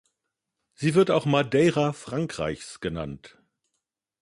Sie wird auch Madeira Frankreichs genannt.